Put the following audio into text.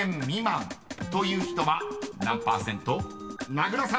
［名倉さん］